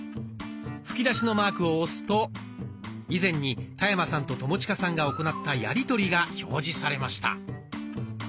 吹き出しのマークを押すと以前に田山さんと友近さんが行ったやり取りが表示されました。